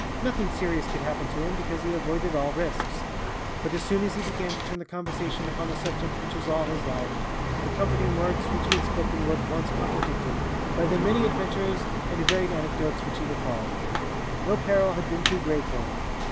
Nothing serious could happen to him, because he avoided all risks. But as soon as he began to turn the conversation upon the subject which was all his life, the comforting words which he had spoken were at once contradicted by the many adventures and varied anecdotes which he recalled. No peril had been too great for him.